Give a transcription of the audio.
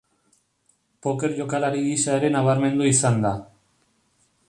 Poker jokalari gisa ere nabarmendu izan da.